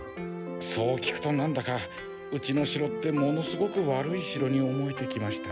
そう聞くとなんだかうちの城ってものすごく悪い城に思えてきました。